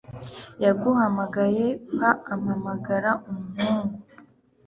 yamuhamagaye pa ampamagara umuhungu